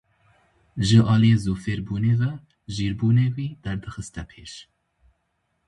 Ji aliyê zûfêrbûnê ve jîrbûnê wî derdixiste pêş.